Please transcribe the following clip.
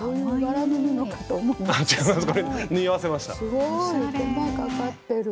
すごい手間かかってる。